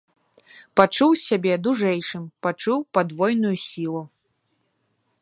Пачуў сябе дужэйшым, пачуў падвойную сілу.